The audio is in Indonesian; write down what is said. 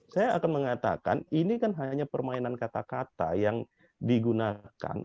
saya akan mengatakan ini kan hanya permainan kata kata yang digunakan